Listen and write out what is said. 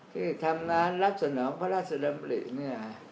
ที่ทำงานรับสนองพระราชดำริเนี่ย